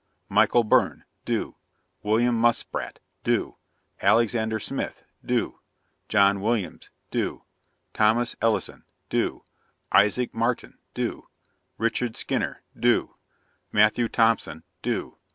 MICHAEL BYRNE } do. WILLIAM MUSPRATT } do. ALEXANDER SMITH } do. JOHN WILLIAMS } do. THOMAS ELLISON } do. ISAAC MARTIN } do. RICHARD SKINNER } do. MATTHEW THOMPSON } do.